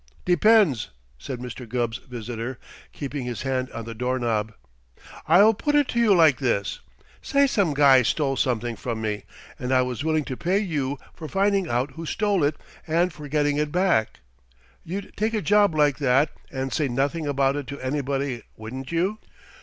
"Depends," said Mr. Gubb's visitor, keeping his hand on the doorknob. "I'll put it to you like this: Say some guy stole something from me, and I was willing to pay you for finding out who stole it and for getting it back you'd take a job like that and say nothing about it to anybody, wouldn't you?"